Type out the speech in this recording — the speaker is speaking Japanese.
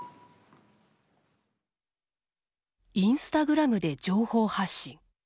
インスタグラムで情報発信。